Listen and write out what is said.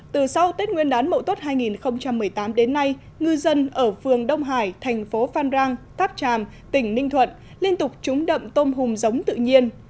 từ sau tết nguyên đán mậu tuất hai nghìn một mươi tám đến nay ngư dân ở phường đông hải thành phố phan rang tháp tràm tỉnh ninh thuận liên tục trúng đậm tôm hùm giống tự nhiên